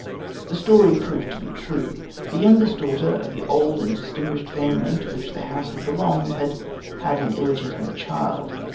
The story proved to be true. The youngest daughter of the old and distinguished family to which the house had belonged had had an illegitimate child.